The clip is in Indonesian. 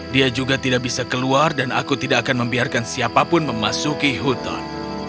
dia juga tidak bisa keluar dan aku tidak akan membiarkan siapapun memasuki hutan